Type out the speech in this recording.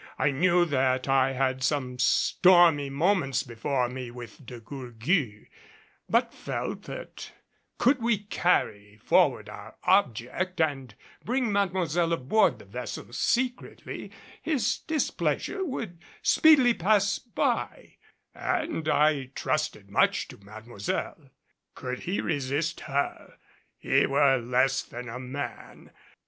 I knew that I had some stormy moments before me with De Gourgues, but felt that could we carry forward our object and bring Mademoiselle aboard the vessel secretly, his displeasure would speedily pass by; and I trusted much to Mademoiselle. Could he resist her, he were less than a man.